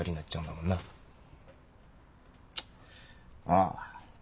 ああ。